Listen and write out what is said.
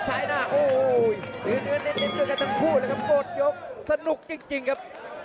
พยายามจะตีจิ๊กเข้าที่ประเภทหน้าขาครับ